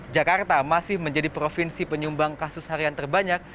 jakarta masih menjadi provinsi penyumbang kasus harian terbanyak